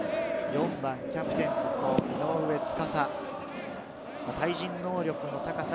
４番キャプテンの井上斗嵩。